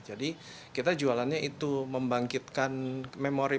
jadi kita jualannya itu membangkitkan memori memori